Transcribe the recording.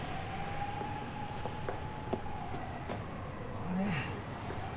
あれ？